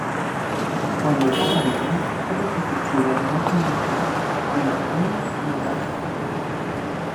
Cuando el par aumenta, sólo se efectúan dos inyecciones: una pequeña y otra grande.